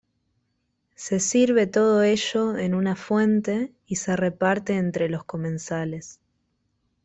Se sirve todo ello en una fuente y se reparte entre los comensales.